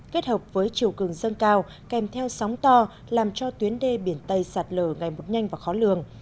kết hợp với chiều cường dâng cao kèm theo sóng to làm cho tuyến đê biển tây sạt lở ngày một nhanh và khó lường